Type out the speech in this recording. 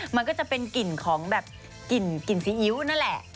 มันก็จะเป็นกลิ่นของแบบกลิ่นซีอิ๊วนั่นแหละ